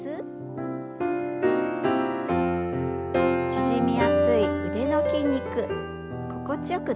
縮みやすい腕の筋肉心地よく伸ばしていきましょう。